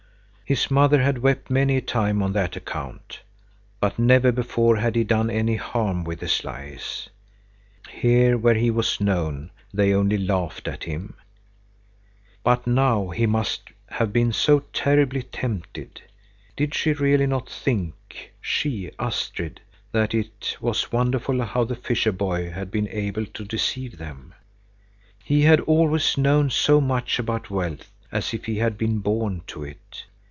His mother had wept many a time on that account. But never before had he done any harm with his lies. Here, where he was known, they only laughed at him.—But now he must have been so terribly tempted. Did she really not think, she, Astrid, that it was wonderful how the fisher boy had been able to deceive them? He had always known so much about wealth, as if he had been born to it.